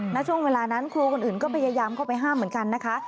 ณช่วงเวลานั้นครูคนอื่นก็พยายามเข้าไปห้ามเหมือนกันนะคะ